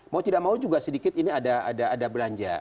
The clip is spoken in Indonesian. mau tidak mau juga sedikit ini ada belanja